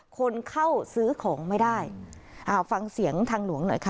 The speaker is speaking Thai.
คนเข้าซื้อของไม่ได้อ่าฟังเสียงทางหลวงหน่อยค่ะ